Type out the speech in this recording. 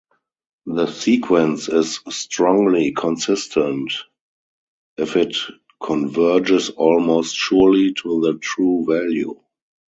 The sequence is "strongly consistent", if it converges almost surely to the true value.